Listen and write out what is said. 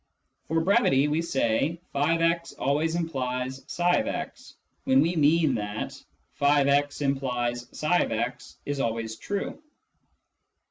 For brevity we say " <f>x always implies tfix " when we mean that " </>x implies tfix " is always true.